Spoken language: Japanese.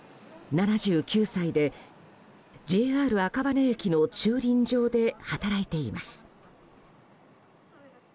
７９歳でＪＲ赤羽駅の駐輪場で働いています。